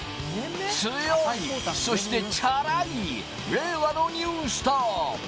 強い、そしてチャラい、令和のニュースター。